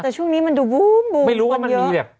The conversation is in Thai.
แต่ช่วงนี้มันดูบูมบูมบนเยอะ